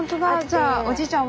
じゃあおじいちゃん